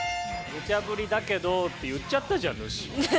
「ムチャぶりだけど」って言っちゃったじゃんぬっしー。